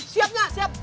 siap nyah siap